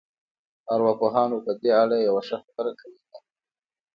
ارواپوهانو په دې اړه يوه ښه خبره کړې ده.